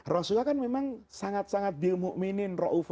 rasulullah kan memang sangat sangat dilmu'minin